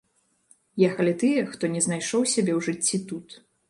Ехалі тыя, хто не знайшоў сябе ў жыцці тут.